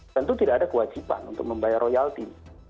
tentu tidak ada kewajiban untuk membayar royalti